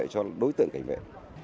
cho đối tượng cảnh vệ